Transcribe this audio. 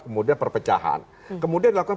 kemudian perpecahan kemudian dilakukan